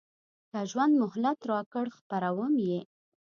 که ژوند مهلت راکړ خپروم یې.